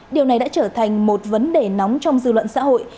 điều này đã trở thành một vấn đề nóng trong dư luận xã hội